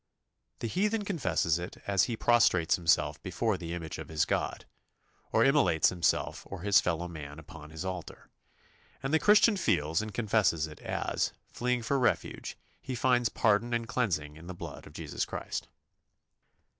The heathen confesses it as he prostrates himself before the image of his god, or immolates himself or his fellow man upon his altar; and the Christian feels and confesses it as, fleeing for refuge, he finds pardon and cleansing in the blood of Jesus Christ.